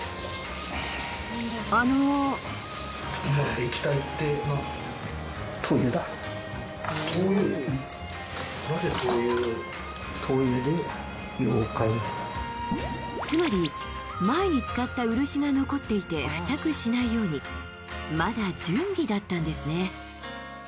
あのつまり前に使った漆が残っていて付着しないようにまだ準備だったんですね